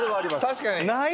確かに！